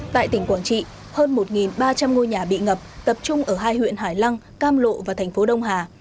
tại tỉnh quảng trị hơn một ba trăm linh ngôi nhà bị ngập tập trung ở hai huyện hải lăng cam lộ và thành phố đông hà